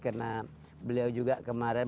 karena beliau juga kemarin